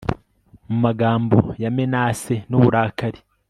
Mu magambo ya menace nuburakari